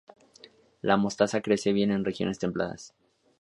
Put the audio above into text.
La mostaza crece bien en regiones templadas.